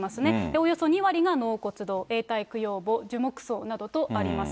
およそ２割が納骨堂、永代供養墓、樹木葬などとあります。